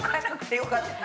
よかったね。